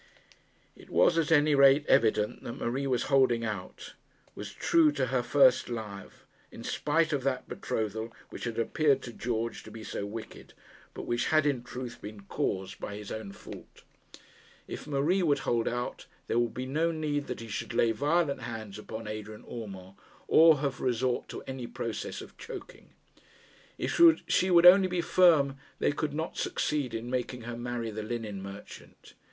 It was at any rate evident that Marie was holding out, was true to her first love, in spite of that betrothal which had appeared to George to be so wicked, but which had in truth been caused by his own fault. If Marie would hold out, there would be no need that he should lay violent hands upon Adrian Urmand, or have resort to any process of choking. If she would only be firm, they could not succeed in making her marry the linen merchant.